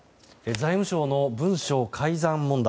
財務省の文書改ざん問題。